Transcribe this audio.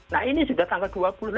nah ini sudah tanggal dua puluh enam